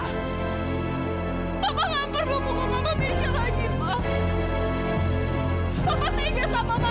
dia tak pernah selamatnya